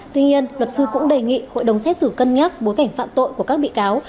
tuy nhiên luật sư cũng đề nghị hội đồng xét xử cân nhắc bối cảnh phạm tội của các bị cáo